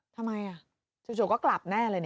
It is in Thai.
ทำไมจุดโจทย์ก็กลับแน่เลย